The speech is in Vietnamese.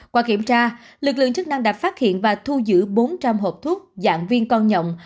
qua kiểm tra lực lượng chức năng đã phát hiện và thu giữ bốn trăm linh hộp thuốc dạng viên con nhọng